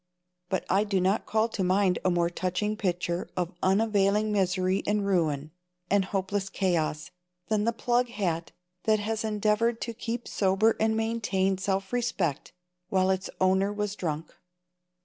But I do not call to mind a more touching picture of unavailing misery and ruin, and hopeless chaos, than the plug hat that has endeavored to keep sober and maintain self respect while its owner was drunk.